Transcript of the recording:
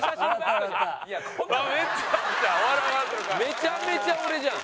めちゃめちゃ俺じゃん！